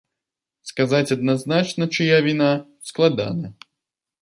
Сказаць адназначна, чыя віна, складана.